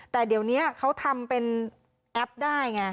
แต่เดี๋ยวนี้เขาทำเป็นแอปได้ไง